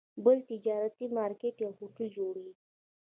بل تجارتي مارکیټ یا هوټل جوړېږي.